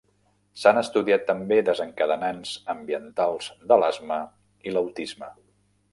S'han estudiat també desencadenants ambientals de l'asma i l'autisme.